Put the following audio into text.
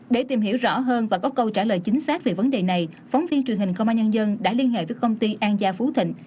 để tìm hiểu rõ hơn và có câu trả lời chính xác về vấn đề này phóng viên truyền hình công an nhân dân đã liên hệ với công ty an gia phú thịnh